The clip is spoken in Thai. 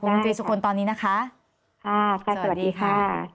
คุณตรีสุคลตอนนี้นะคะค่ะสวัสดีค่ะ